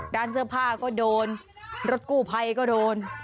ด้านเสื้อผ้าก็โดนรถกู้ภัยก็โดน